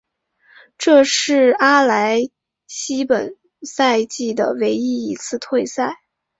这是阿莱西本赛季的唯一一次退赛。